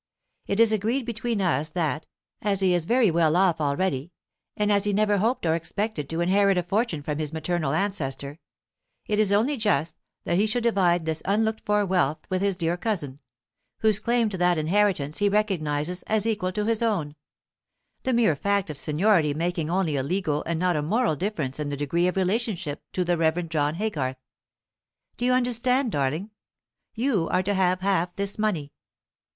It is agreed between us that, as he is very well off already, and as he never hoped or expected to inherit a fortune from his maternal ancestor, it is only just that he should divide this unlooked for wealth with his dear cousin, whose claim to that inheritance he recognizes as equal to his own; the mere fact of seniority making only a legal and not a moral difference in the degree of relationship to the Reverend John Haygarth. Do you understand, darling? you are to have half this money.